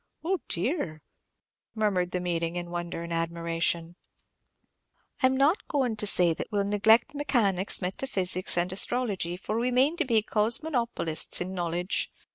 oh dear!" murmured the meeting, in wonder and admiration. "I 'm not goin' to say that we 'll neglect mechanics, metaphysics, and astrology; for we mane to be cosmonopolists in knowledge.